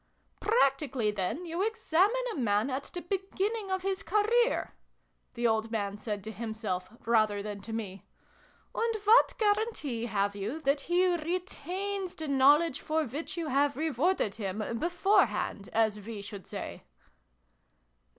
" Practically, then, you examine a man at the beginning of his career !" the old man said to himself rather than to me. " And what guarantee have you that he retains the know ledge for which you have rewarded him beforehand, as we should say